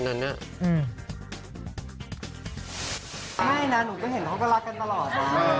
ไม่นะหนูก็เห็นเขาก็รักกันตลอด